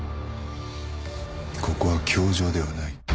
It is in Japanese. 「ここは教場ではない」